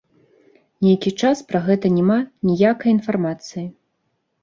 Нейкі час пра гэта няма ніякай інфармацыі.